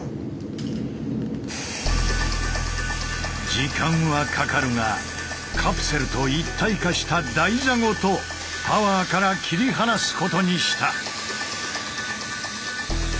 時間はかかるがカプセルと一体化した台座ごとタワーから切り離すことにした。